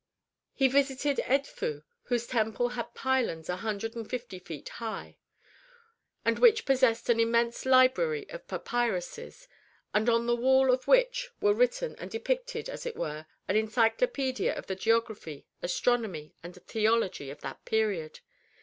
He visited Edfu, whose temple had pylons a hundred and fifty feet high, and which possessed an immense library of papyruses, and on the walls of which were written and depicted, as it were, an encyclopedia of the geography, astronomy, and theology of that period.